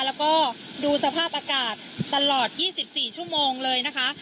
แล้วก็ดูสภาพอากาศตลอด๒๔ชั่วโมงเลยนะคะ